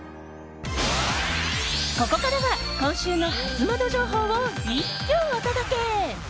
ここからは今週のハツモノ情報を一挙お届け。